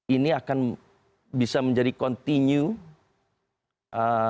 ini akan bisa menjadi continue